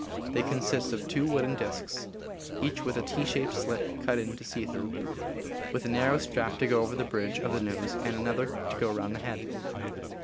They consist of two wooden disks, each with a T shaped slit cut in it to see through, with a narrow strap to go over the bridge of the nose and another to go around the head.